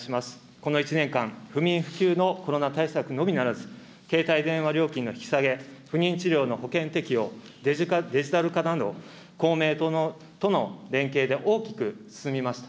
この１年間、不眠不休のコロナ対策のみならず、携帯電話料金の引き下げ、不妊治療の保険適用、デジタル化など、公明党との連携で大きく進みました。